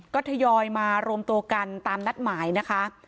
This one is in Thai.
ก็ทยอยมารวมตัวกันตามนัดหมายนะคะ